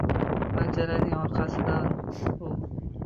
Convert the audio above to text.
Panjaraning orqasidan u